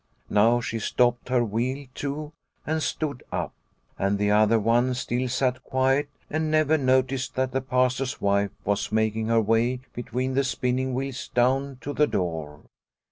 Now she stopped her wheel too, and stood up. And the other one still sat quiet and never noticed that the Pastor's wife was making her way between the spinning wheels down to the door.